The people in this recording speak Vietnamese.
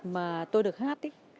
mà tôi được hát